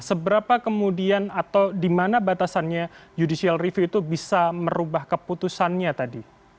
seberapa kemudian atau di mana batasannya judicial review itu bisa merubah keputusannya tadi